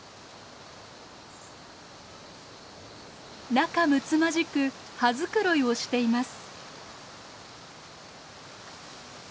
仲むつまじく羽繕いをしています。